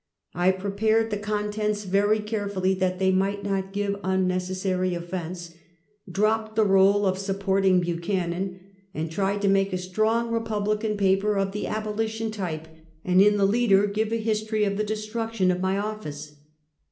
I prepared the contents very carefully, that they might not give unnecessary offense, dropped the role of supporting Buchanan^ and tried to make a strong Republican paper of the abolition type, and in the leader gave a history of the destruction of my ofiice.